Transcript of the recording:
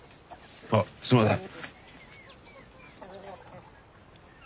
あっすいません。